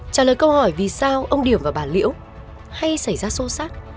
trả lời câu hỏi vì sao ông điểm và bà liễu hay xảy ra xô xát